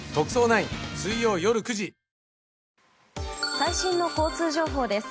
最新の交通情報です。